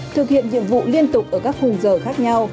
thực hiện nhiệm vụ liên tục ở các khung giờ khác nhau